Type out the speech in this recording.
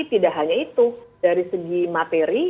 tidak hanya itu dari segi materi